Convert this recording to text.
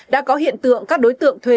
đã có hiện tượng các đối tượng thuê